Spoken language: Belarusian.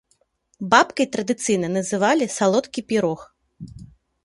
Бабкай традыцыйна называлі салодкі пірог.